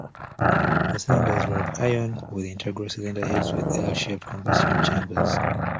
The cylinders were of iron, with integral cylinder heads with L-shaped combustion chambers.